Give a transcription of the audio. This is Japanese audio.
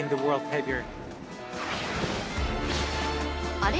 ［あれ？